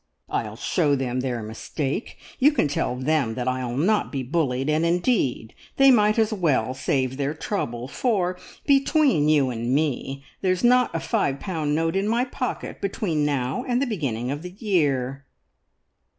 I'll show them their mistake! You can tell them that I'll not be bullied, and indeed they might as well save their trouble, for, between you and me, there's not a five pound note in my pocket between now and the beginning of the year."